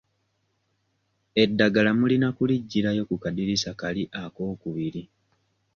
Eddagala mulina kuliggyirayo ku kaddirisa kali akookubiri.